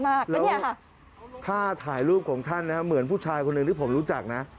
แล้วเนี่ยถ้าถ่ายรูปของท่านนะเหมือนผู้ชายคนหนึ่งที่ผมรู้จักนะ